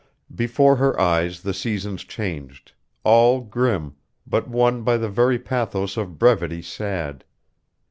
Before her eyes the seasons changed, all grim, but one by the very pathos of brevity sad.